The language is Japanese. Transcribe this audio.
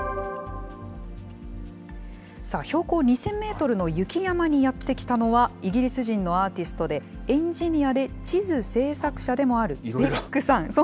さあ、標高２０００メートルの雪山にやって来たのは、イギリス人のアーティストで、エンジニアで地図製作者でもある、ベックさん。